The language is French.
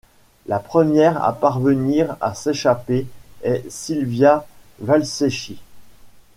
La première à parvenir à s'échapper est Silvia Valsecchi.